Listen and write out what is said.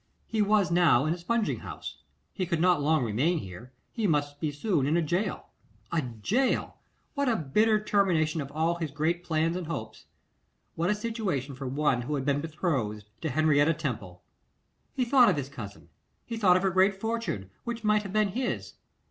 He was now in a spunging house; he could not long remain here, he must be soon in a gaol. A gaol! What a bitter termination of all his great plans and hopes! What a situation for one who had been betrothed to Henrietta Temple! He thought of his cousin, he thought of her great fortune, which might have been his.